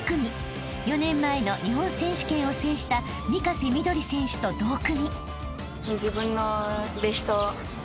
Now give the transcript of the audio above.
［４年前の日本選手権を制した御家瀬緑選手と同組］